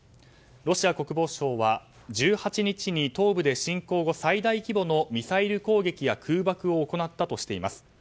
ロシア国防省は１８日に東部で侵攻後最大規模のミサイル攻撃や空爆を行ったとしています。